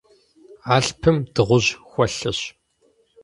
Алъпым дыгъужь хуэлъэщ.